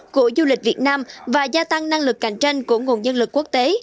của du lịch việt nam và gia tăng năng lực cạnh tranh của nguồn nhân lực quốc tế